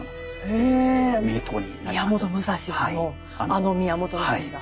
あの宮本武蔵が。